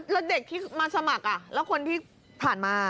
แล้วเด็กที่มาสมัครแล้วคนที่ผ่านมา